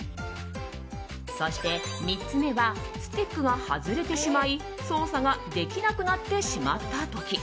そして３つ目はスティックが外れてしまい操作ができなくなってしまった時。